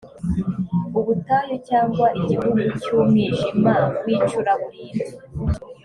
ubutayu cyangwa igihugu cy umwijima w icuraburindi